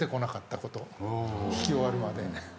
弾き終わるまで。